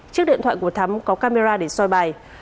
chiếc điện thoại của thắm có camera để soi bài